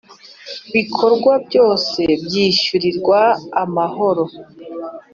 bikorwa byose byishyurirwa amahoro